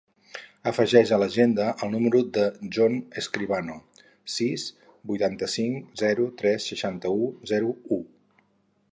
Afegeix a l'agenda el número del Jon Escribano: sis, vuitanta-cinc, zero, tres, seixanta-u, zero, u.